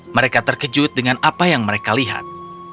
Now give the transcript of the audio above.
mereka terkejut dengan apa yang mereka lihat